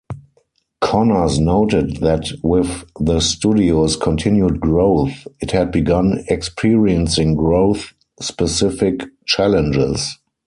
Connors noted that with the studio's continued growth, it had begun experiencing growth-specific challenges.